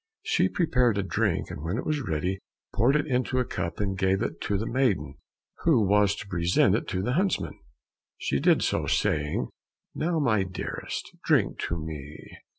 She prepared a drink, and when it was ready, poured it into a cup and gave it to the maiden, who was to present it to the huntsman. She did so, saying, "Now, my dearest, drink to me."